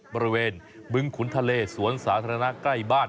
บึงขุนทะเลสวนสาธารณะใกล้บ้าน